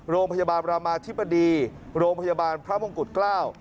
โรงพยาบาลรามาธิบดีโรงพยาบาลพระมงกุฎเกล้า